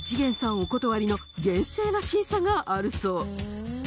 お断りの厳正な審査があるそう。